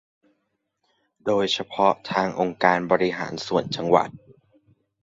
โดยเฉพาะทางองค์การบริหารส่วนจังหวัด